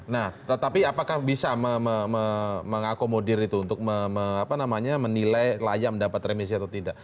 nah tetapi apakah bisa mengakomodir itu untuk menilai layak mendapat remisi atau tidak